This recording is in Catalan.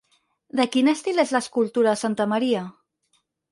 De quin estil és l'escultura de santa Maria?